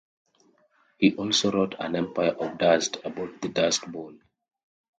He also wrote "An Empire of Dust" about the Dust Bowl.